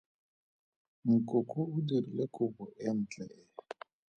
Nkoko o dirile kobo e ntle e.